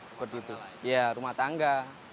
seperti itu ya rumah tangga